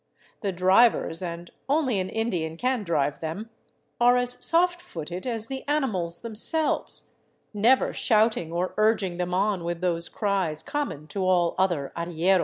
The drivers — and only an Indian can drive them — are as soft footed as the animals themselves, never shouting or urging them on with those cries common to all other arrieros.